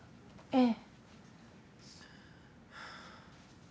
ええ。